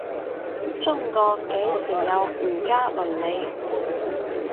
中國幾時有儒家倫理